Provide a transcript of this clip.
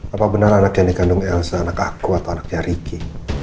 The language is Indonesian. apa benar anak yang dikandung elsa anak aku atau anaknya ricky